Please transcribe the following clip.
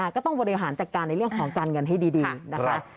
ก็ต้องบริหารจัดการในเรื่องของการเงินให้ดีนะคะ